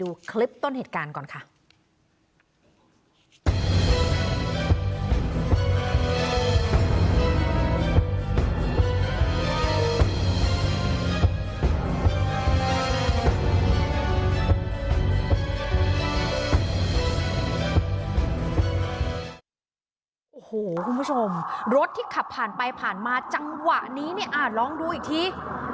โอ้โหคุณผู้ชมรถที่ขับผ่านไปผ่านมาจังหวะนี้ลองดูอีกที